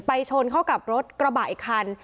ชนเข้ากับรถกระบะอีกคัน